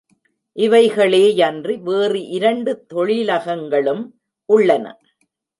இவைகளேயன்றி வேறு இரண்டு தொழிலகங்களும் உள்ளன.